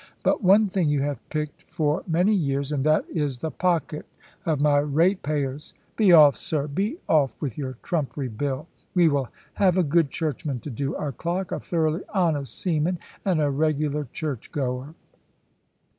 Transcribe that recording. But one thing you have picked for many years, and that is the pocket of my ratepayers. Be off, sir be off with your trumpery bill! We will have a good churchman to do our clock a thoroughly honest seaman, and a regular church goer."